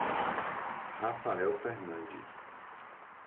Rafael Fernandes